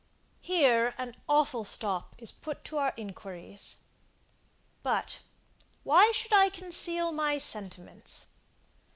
Here an awful stop is put to our inquiries. But, why should I conceal my sentiments?